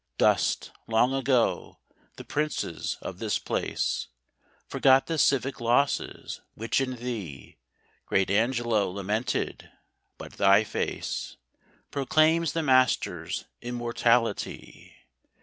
Dust, long ago, the princes of this place ; Forgot the civic losses which in thee Great Angelo lamented ; but thy face Proclaims the master's immortality!